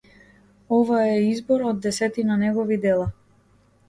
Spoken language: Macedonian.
Ова е избор од десетина негови дела.